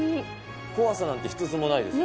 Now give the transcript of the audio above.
怖さなんて一つもないですよ。